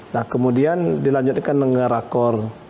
nah kemudian dilanjutkan dengan rakor